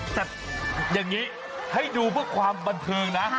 แต่อย่างนี้ให้ดูเพื่อความบันเทิงนะ